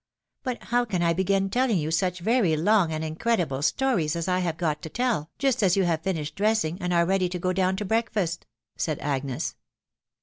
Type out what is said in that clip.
But how can I begin telling you such very long and incredible stories as I have got to tell, just as you have finished dressing, and are ready to go down to breakfast ?" said Agnes.